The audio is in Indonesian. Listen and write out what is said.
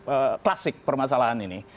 ini klasik permasalahan ini